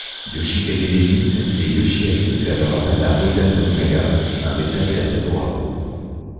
Yoshikage hésite et Yoshiaki fait alors appel à Oda Nobunaga, un vassal des Asakura.